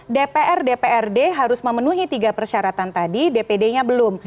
dpr dprd harus memenuhi tiga persyaratan tadi dpd nya belum